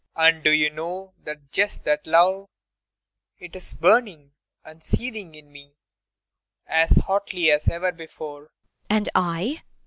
] And do you know that just that love it is burning and seething in me as hotly as ever before? IRENE. And I?